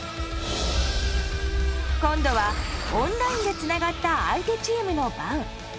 今度はオンラインでつながった相手チームの番。